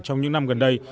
trong những năm gần đây